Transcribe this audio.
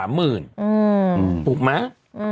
ถูกมั้ย